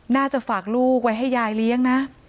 น่าจะฝากลูกไว้ให้ยายเลี้ยงนะ